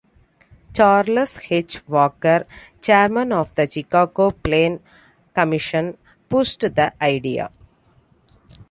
Charles H. Wacker, chairman of the Chicago Plan Commission, pushed the idea.